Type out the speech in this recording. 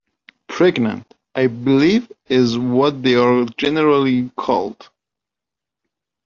Pregnant, I believe, is what they're generally called.